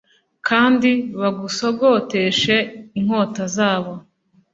kandi bagusogoteshe inkota zabo